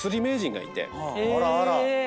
あらあらっ。